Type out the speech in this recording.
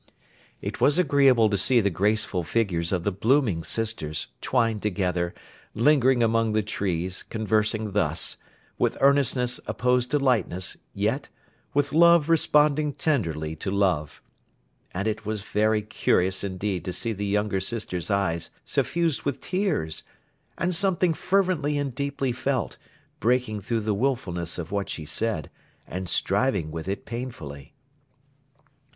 It was agreeable to see the graceful figures of the blooming sisters, twined together, lingering among the trees, conversing thus, with earnestness opposed to lightness, yet, with love responding tenderly to love. And it was very curious indeed to see the younger sister's eyes suffused with tears, and something fervently and deeply felt, breaking through the wilfulness of what she said, and striving with it painfully.